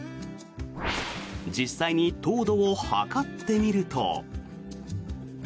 実際に糖度を測ってみると。